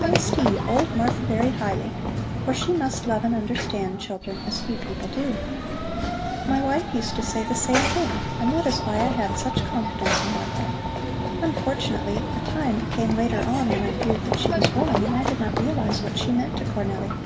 I esteem old Martha very highly, for she must love and understand children as few people do." "My wife used to say the same thing, and that is why I had such confidence in Martha. Unfortunately a time came later on when I feared that she was wrong, and I did not realize what she meant to Cornelli.